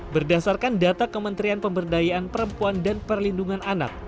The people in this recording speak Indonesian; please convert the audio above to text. berdasarkan data kementerian pemberdayaan perempuan dan perlindungan anak